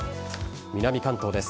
南関東です。